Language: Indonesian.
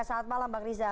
selamat malam mbak riza